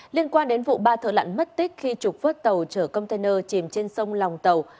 liên quan đến vụ ba thợ lặn mất tích khi trục vớt tàu chở container chìm trên sông lòng tàu